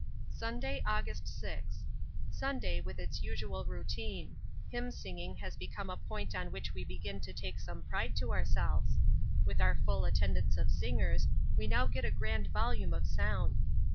Sunday, August 6. Sunday with its usual routine. Hymn singing has become a point on which we begin to take some pride to ourselves. With our full attendance of singers we now get a grand volume of sound.